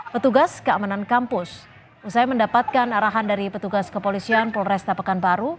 petugas kemenan kampus usai mendapatkan arahan dari petugas kepolisian polres tapekan baru